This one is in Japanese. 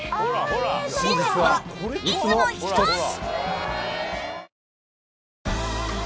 真実はいつもひとつ！